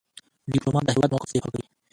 ډيپلومات د هیواد موقف دفاع کوي.